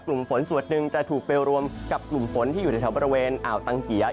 กลุ่มฝนส่วนหนึ่งจะถูกไปรวมกับกลุ่มฝนที่อยู่ในแถวบริเวณอ่าวตังเกีย